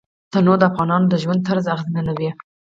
تنوع د افغانانو د ژوند طرز اغېزمنوي.